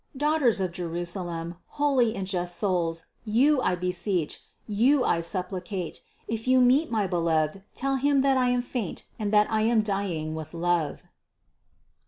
Daughters of Jerusalem, holy and just souls, you I beseech, you I sup plicate, if you meet my Beloved, tell Him that I am faint and that I am dying with love."